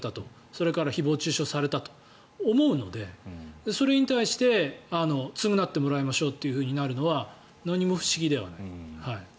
それから誹謗・中傷されたと思うのでそれに対して償ってもらいましょうとなるのは何も不思議ではない。